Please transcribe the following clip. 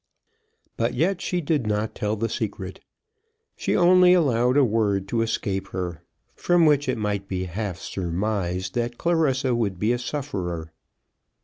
But yet she did not tell the secret. She only allowed a word to escape her, from which it might be half surmised that Clarissa would be a sufferer.